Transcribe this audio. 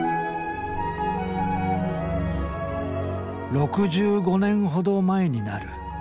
６５年ほど前になる。